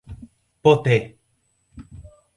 Poté